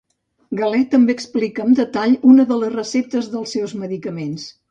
Galè també explica amb detall una de les receptes dels seus medicaments.